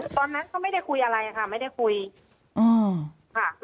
ตอนที่จะไปอยู่โรงเรียนจบมไหนคะ